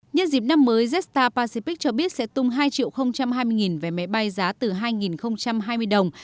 nhân dịp năm mới jetstar pacific cho biết sẽ tung hai hai mươi vé máy bay giá từ hai hai mươi đồng